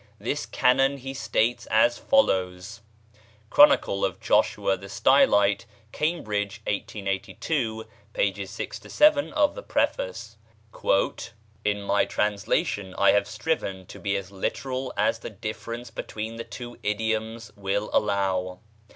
This canon he states as follows (Chronicle of Joshua the Stylite, Cambridge, 1882, pp. vi vii of the Preface): "In my translation I have striven to be as literal as the difference between the two idioms will allow.